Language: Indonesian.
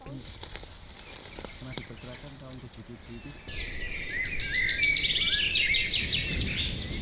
masih bergerakan tahun dua ribu tujuh belas